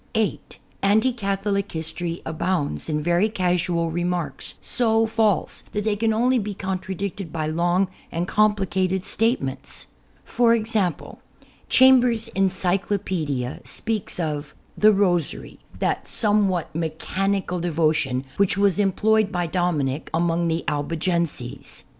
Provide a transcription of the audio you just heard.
. (8) Anti Catholic history abounds in very casual re marks so false that they can only be contradicted by long and complicated statements. e.g. Chambers's "Encyclopedia" speaks of "The Rosary, that somewhat mechanical devotion, which was employed by Dominic among the Albigenses."